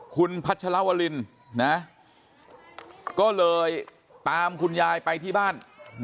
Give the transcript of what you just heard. คุณพัชรวรินก็เลยตามคุณยายไปที่บ้าน